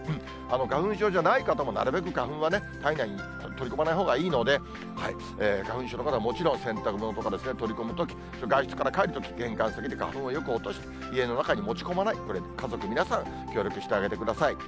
花粉症じゃない方も、なるべく花粉はね、体内に取り込まないほうがいいので、花粉症の方はもちろん、洗濯物とかね、取り込むとき、外出から帰るとき、玄関先で花粉をよく落として、家の中に持ち込まない、これ家族皆さん、協力してあげてください。